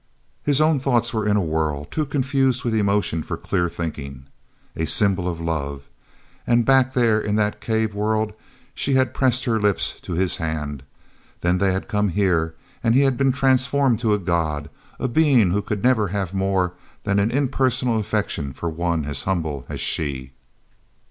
His own thoughts were in a whirl, too confused with emotion for clear thinking. "A symbol of love!" And back there in that cave world she had pressed her lips to his hand. Then they had come here, and he had been transformed to a god, a being who could never have more than an impersonal affection for one as humble as she.